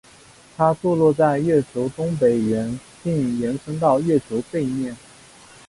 它坐落在月球东北缘并延伸到月球背面。